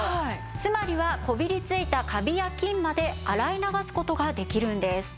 つまりはこびりついたカビや菌まで洗い流す事ができるんです。